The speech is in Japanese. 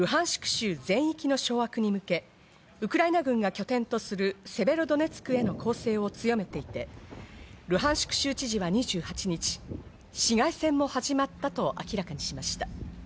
州全域の掌握に向け、ウクライナ軍が拠点とするセベロドネツクへの攻勢を強めていて、ルハンシク州知事は２８日、市街戦も始まったと明らかにしました。